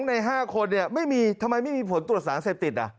๒ใน๕คนทำไมไม่มีผลตรวจสารเซฟติด